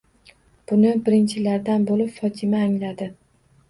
Buni birinchilardan bo'lib Fotima angladi.